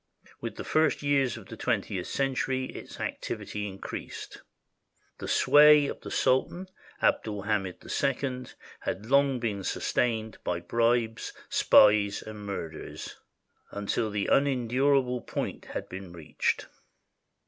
With the first years of the twentieth century its activity increased. The sway of the Sultan Abd ul Hamid II had long been sustained by bribes, spies, and murders, until the unendurable point had been reached.